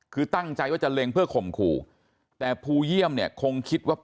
คือตั้งใจว่าจะเล็งเพื่อข่มขู่แต่ภูเยี่ยมเนี่ยคงคิดว่า